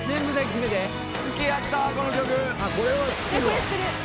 「これは知ってるわ」